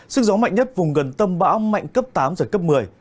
sức gió mạnh nhất vùng gần tâm bão mạnh cấp tám giật cấp một mươi